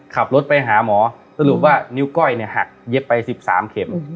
ขับรถไปหาหมอสรุปว่านิ้วก้อยเนี่ยหักเย็บไป๑๓เข็ม